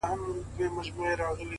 • ځوان يوه غټه ساه ورکش کړه،